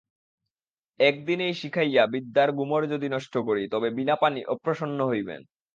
এক দিনেই শিখাইয়া বিদ্যার গুমর যদি নষ্ট করি তবে বীণাপাণি অপ্রসন্ন হইবেন।